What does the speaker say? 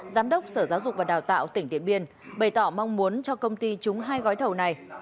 giám đốc sở giáo dục và đào tạo tỉnh điện biên bày tỏ mong muốn cho công ty trúng hai gói thầu này